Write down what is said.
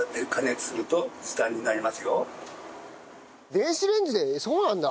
電子レンジでそうなんだ！？